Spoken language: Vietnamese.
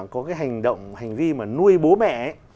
có cái hành động hành vi mà nuôi bố mẹ ấy